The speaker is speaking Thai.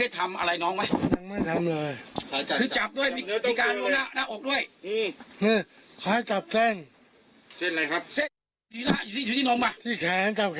เจ้าหน้า